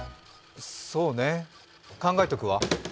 そうね考えとくわ。